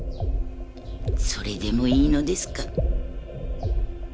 それでもいいのですか？